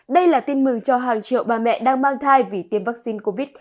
đây là tin mừng cho hàng triệu bà mẹ đang mang thai vì tiêm vaccine covid